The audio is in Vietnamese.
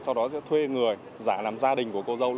sau đó sẽ thuê người giả làm gia đình